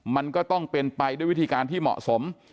มันก็ต้องเป็นไปด้วยวิธีการที่เหมาะสม